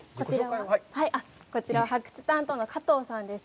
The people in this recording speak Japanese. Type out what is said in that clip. こちらは発掘担当の加藤さんです。